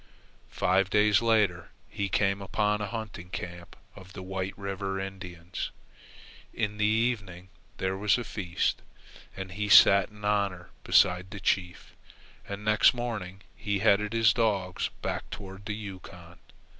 Five days later he came upon a hunting camp of the White River Indians. In the evening there was a feast, and he sat in honour beside the chief; and next morning he headed his dogs back toward the Yukon.